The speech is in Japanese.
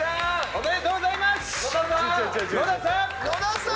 おめでとうございます！